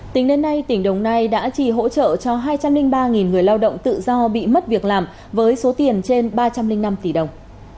tính đến nay tỉnh đồng nai đã trì hỗ trợ cho hai trăm linh ba người lao động tự do bị mất việc làm với số tiền trên ba trăm linh năm tỷ đồng